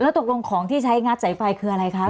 ตกลงของที่ใช้งัดสายไฟคืออะไรคะ